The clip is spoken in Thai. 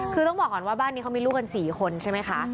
คือต้องบอกก่อนว่าบ้านนี้เขามีลูกกัน๔คนใช่ไหมคะ